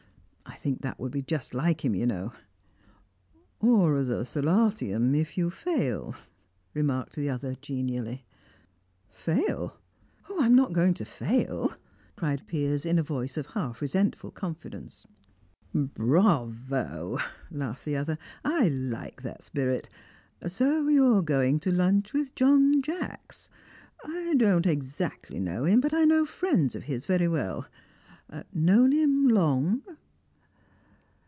I think that would be just like him, you know." "Or as a solatium, if you fail," remarked the other genially. "Fail? Oh, I'm not going to fail," cried Piers in a voice of half resentful confidence. "Bravo!" laughed the other; "I like that spirit. So you're going to lunch with John Jacks. I don't exactly know him, but I know friends of his very well. Known him long?"